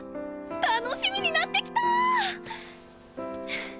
楽しみになってきた！